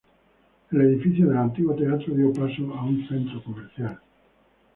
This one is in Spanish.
El edificio del antiguo teatro dio paso a un centro comercial.